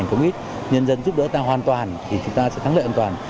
chúng ta sẽ thắng lợi an toàn